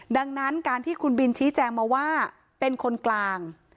ดังนั้นการที่คุณบินชี้แจงมาว่าเป็นคนกลาง